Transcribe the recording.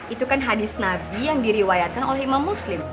itu kan hadis nabi yang diriwayatkan oleh imam muslim